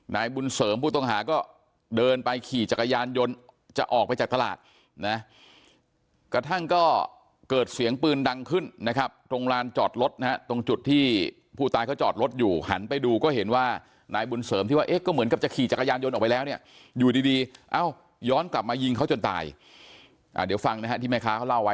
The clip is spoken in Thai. นายบุญเสริมผู้ต้องหาก็เดินไปขี่จักรยานยนต์จะออกไปจากตลาดนะกระทั่งก็เกิดเสียงปืนดังขึ้นนะครับตรงลานจอดรถนะฮะตรงจุดที่ผู้ตายเขาจอดรถอยู่หันไปดูก็เห็นว่านายบุญเสริมที่ว่าเอ๊ะก็เหมือนกับจะขี่จักรยานยนต์ออกไปแล้วเนี่ยอยู่ดีดีเอ้าย้อนกลับมายิงเขาจนตายเดี๋ยวฟังนะฮะที่แม่ค้าเขาเล่าไว้